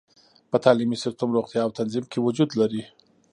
په تعلیمي سیستم، روغتیا او تنظیم کې وجود لري.